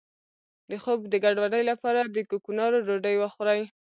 د خوب د ګډوډۍ لپاره د کوکنارو ډوډۍ وخورئ